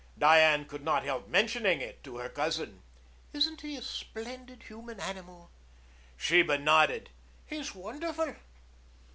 Diane could not help mentioning it to her cousin. "Isn't he a splendid human animal?" Sheba nodded. "He's wonderful."